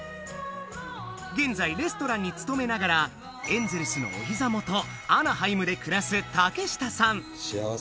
現在レストランに勤めながらエンゼルスのお膝元アナハイムで暮らす竹下さん